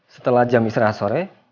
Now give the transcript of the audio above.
setelah jam istirahat sore